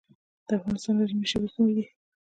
د افغانستان رسمي ژبې کومې دي؟